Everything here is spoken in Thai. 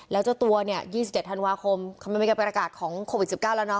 แล้วเจ้าตัวเนี่ย๒๗ธันวาคมมันเป็นการประกาศของโควิด๑๙แล้วเนาะ